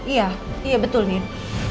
iya betul ndin